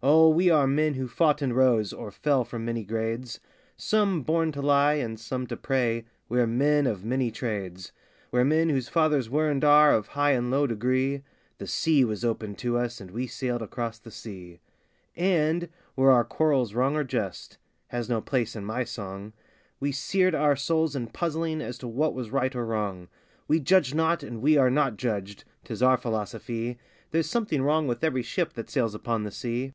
Oh we are men who fought and rose, or fell from many grades; Some born to lie, and some to pray, we're men of many trades; We're men whose fathers were and are of high and low degree The sea was open to us and we sailed across the sea. And were our quarrels wrong or just? has no place in my song We seared our souls in puzzling as to what was right or wrong; We judge not and we are not judged 'tis our philosophy There's something wrong with every ship that sails upon the sea.